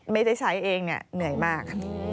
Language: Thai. ไม่ได้ใช้เองเหนื่อยมาก